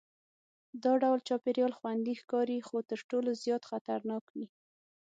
دا ډول چاپېریال خوندي ښکاري خو تر ټولو زیات خطرناک وي.